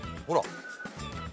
ほら！